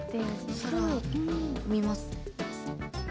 「空」見ます。